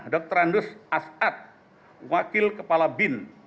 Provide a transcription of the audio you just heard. tiga dr andus as'ad wakil kepala bin